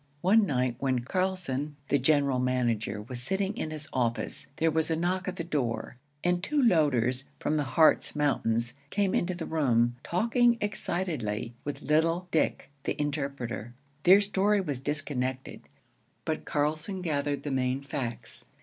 One night when Carlson, the general manager, was sitting in his office, there was a knock at the door, and two loaders, from the Hartz Mountains, came into the room, talking excitedly, with Little Dick, the interpreter. Their story was disconnected, but Carlson gathered the main facts.